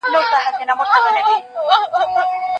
پر نغمو به اوري شور د توتکیو، نصیب نه وو